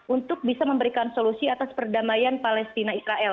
untuk bisa memberikan solusi atas perdamaian palestina israel